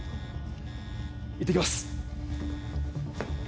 行ってきます